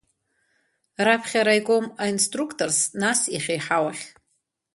Раԥхьа араиком аинструкторс, нас иахьеиҳауахь.